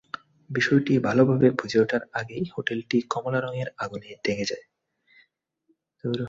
বিষয়টি ভালোভাবে বুঝে ওঠার আগেই হোটেলটি কমলা রঙের আগুনে ঢেকে যায়।